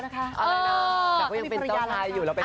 เขาเป็นเจ้าชายแล้วนะคะ